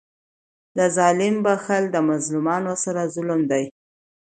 د ظالم بخښل د مظلومانو سره ظلم دئ.